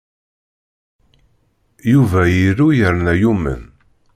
Yuba iru yerna yumen.